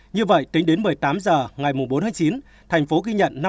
như vậy tính đến một mươi tám h ngày bốn tháng chín thành phố ghi nhận